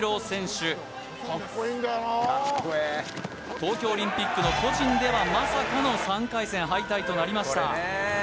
東京オリンピックの個人ではまさかの３回戦敗退となりました